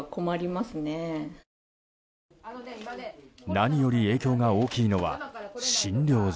何より影響が大きいのは診療所。